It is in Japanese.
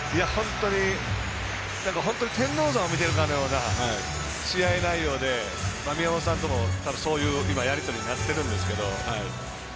本当に天王山を見てるかのような試合内容で、宮本さんともそういうやり取りになってるんですけど。